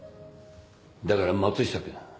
だから松下君